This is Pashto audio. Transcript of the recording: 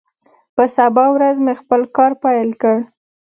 په سبا ورځ مې خپل کار پیل کړ.